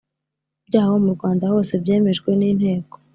byawo mu rwanda hose byemejwe n inteko